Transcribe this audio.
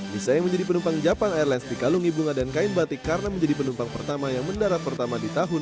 lisa yang menjadi penumpang jepang airlines di kalungi bunga dan kain batik karena menjadi penumpang pertama yang mendarat pertama di tahun dua ribu sembilan belas